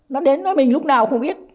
nó đến nói mình lúc nào cũng không biết